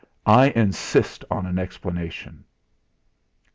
I insist on an explanation."